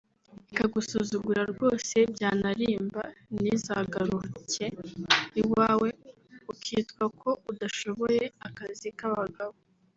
ikagusuzugura rwose byanarimba ntizagaruke iwawe ukitwa ko udashoboye akazi k’abagabo